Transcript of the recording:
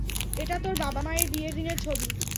এটা তোর বাবা-মায়ের বিয়ের দিনের ছবি।